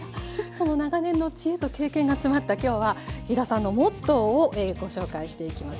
その長年の知恵と経験が詰まった今日は飛田さんのモットーをご紹介していきます。